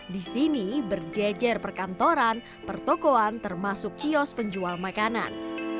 di sini berjejer perkantoran pertokoan termasuk kios penjual makanan